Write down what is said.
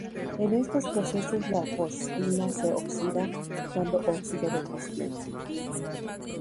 En estos procesos la fosfina se oxida dando óxido de fosfina.